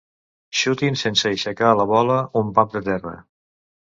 Xutin sense aixecar la bola un pam de terra.